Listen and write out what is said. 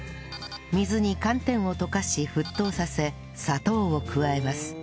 水に寒天を溶かし沸騰させ砂糖を加えます